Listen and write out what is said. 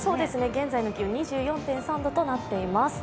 現在の気温２４．３度となっています。